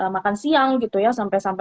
makan siang gitu ya sampai sampai